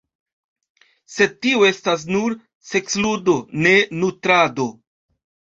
Sed tio estas nur seksludo, ne nutrado.